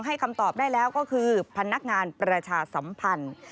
คำตอบได้แล้วก็คือพนักงานประชาสัมพันธ์